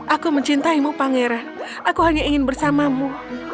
aku mencintaimu pangeran aku hanya ingin bersamamu